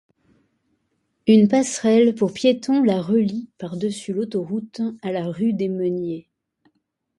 Une passerelle pour piétons la relie par-dessus l'autoroute à la rue des Meuniers.